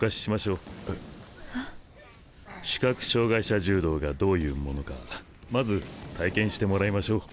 視覚障害者柔道がどういうものかまず体験してもらいましょう。